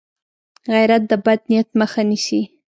غیرت د بد نیت مخه نیسي